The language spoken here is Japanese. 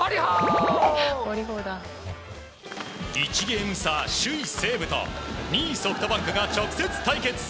１ゲーム差、首位、西武と２位ソフトバンクが直接対決。